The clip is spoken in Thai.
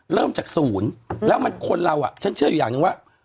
เริ่มจากศูนย์แล้วมันคนเราฉันเชื่ออยู่อย่างหนึ่งว่า